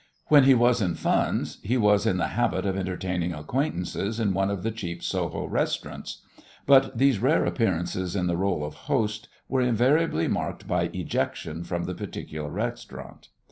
When he was in funds he was in the habit of entertaining acquaintances in one of the cheap Soho restaurants, but these rare appearances in the rôle of host were invariably marked by ejection from the particular restaurant.